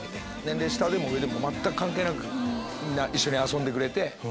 年齢下も上も全く関係なくみんな一緒に遊んでくれて。